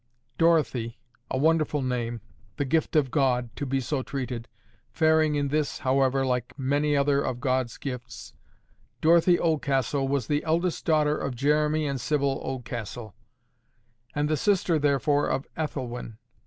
Dorothy—a wonderful name, THE GIFT OF GOD, to be so treated, faring in this, however, like many other of God's gifts—Dorothy Oldcastle was the eldest daughter of Jeremy and Sibyl Oldcastle, and the sister therefore of Ethelwyn.